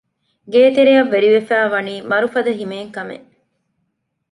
ގޭތެރެއަށް ވެރިވެފައިވަނީ މަރުފަދަ ހިމޭން ކަމެއް